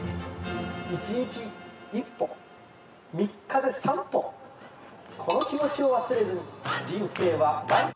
一日一歩、三日で三歩、この気持ちを忘れず、人生は。